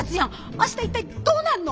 明日一体どうなんの？